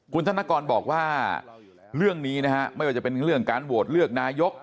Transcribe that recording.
คุณธนกรบอกว่าเรื่องนี้นะฮะไม่ว่าจะเป็นเรื่องการโหวตเลือกนายก